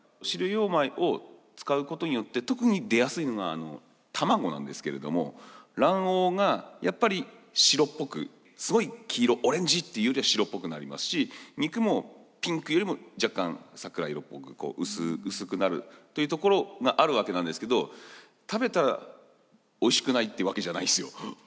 飼料用米を使うことによって特に出やすいのが卵なんですけれども卵黄がやっぱり白っぽくすごい黄色オレンジっていうよりは白っぽくなりますし肉もピンクよりも若干桜色っぽくこう薄くなるというところがあるわけなんですけど食べたらおいしくないっていうわけじゃないですよ。